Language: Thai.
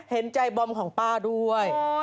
เห็นใจบอมของป้าด้วย